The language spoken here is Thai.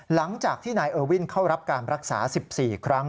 หลังจากที่นายเออวินเข้ารับการรักษา๑๔ครั้ง